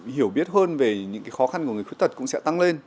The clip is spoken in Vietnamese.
hiểu biết hơn về những khó khăn của người khuyết tật cũng sẽ tăng lên